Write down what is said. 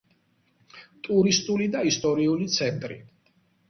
ტურისტული და ისტორიული ცენტრი.